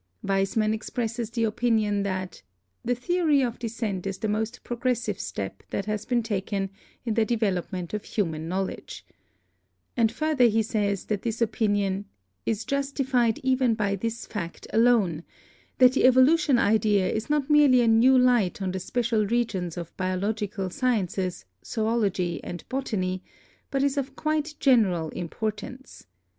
Weismann expresses the opinion that "the theory of descent is the most progressive step that has been taken in the development of human knowl edge," and further he says that this opinion "is justified even by this fact alone: that the evolution idea is not merely a new light on the special regions of biological sciences, zoology and botany, but is of quite general im portance.